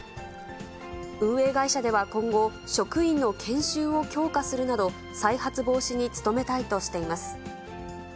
運営会社では今後、職員の研修を強化するなど、再発防止に努めたいとしています。